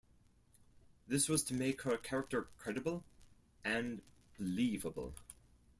This was to make her character credible and believable.